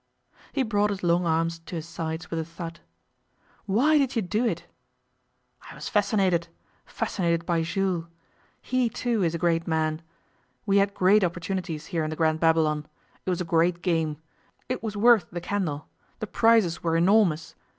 He brought his long arms to his sides with a thud. 'Why did you do it?' 'I was fascinated fascinated by Jules. He, too, is a great man. We had great opportunities, here in the Grand Babylon. It was a great game. It was worth the candle. The prizes were enormous.